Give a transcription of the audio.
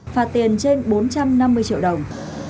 phạt tiền trên bốn trăm năm mươi triệu đồng